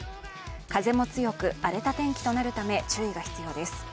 風も強く、荒れた天気となるため注意が必要です。